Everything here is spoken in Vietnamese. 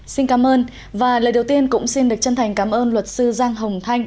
xin cảm ơn và lời đầu tiên cũng xin được chân thành cảm ơn luật sư giang hồng thanh